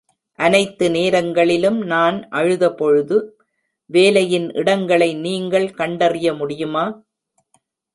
அனைத்து நேரங்களிலும் நான் அழுதபொழுது வேலையின் இடங்களை நீங்கள் கண்டறிய முடியுமா?